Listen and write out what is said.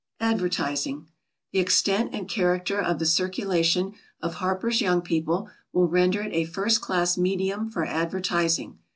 ADVERTISING. The extent and character of the circulation of HARPER'S YOUNG PEOPLE will render it a first class medium for advertising.